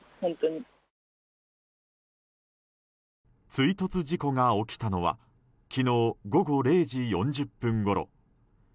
追突事故が起きたのは昨日午後０時４０分ごろ。